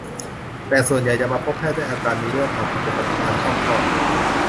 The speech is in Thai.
แต่ส่วนใหญ่จะมาพบแพทย์ด้วยอาการมีเลือดออกผิดปกติทางช่องคลอด